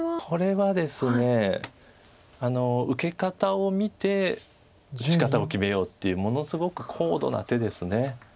これはですね受け方を見て打ち方を決めようっていうものすごく高度な手です。